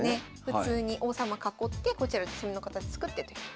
普通に王様囲ってこちら攻めの形作ってという。